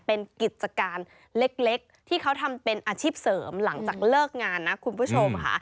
เป็นกิจการเล็กที่เขาทำเป็นอาชีพเสริมหลังจากเลิกงานนะคุณผู้ชมค่ะ